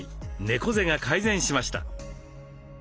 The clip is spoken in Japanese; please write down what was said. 猫背が改善しました。